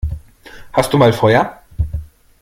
Hast du mal Feuer?